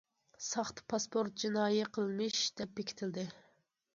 ساختا پاسپورت جىنايى قىلمىش دەپ بېكىتىلدى.